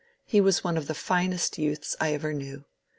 he was one of the finest youths I ever knew.